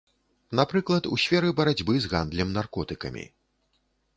Напрыклад, у сферы барацьбы з гандлем наркотыкамі.